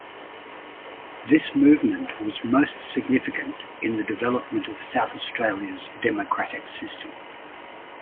This movement was most significant in the development of South Australia's democratic system.